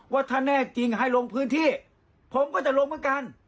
ว่าถ้าแน่จริงให้ลงพื้นที่ผมก็จะลงเหมือนกัน